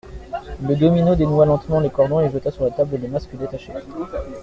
Le domino dénoua lentement les cordons et jeta sur la table le masque détaché.